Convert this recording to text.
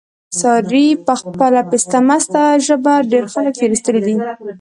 سارې په خپله پسته مسته ژبه، ډېر خلک تېر ایستلي دي.